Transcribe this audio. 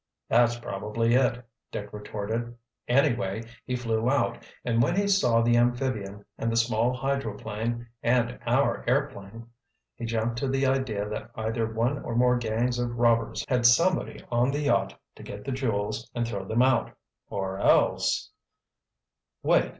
"That's probably it," Dick retorted. "Anyway, he flew out, and when he saw the amphibian and the small hydroplane and our airplane, he jumped to the idea that either one or more gangs of robbers had somebody on the yacht to get the jewels and throw them out, or else——" "Wait!"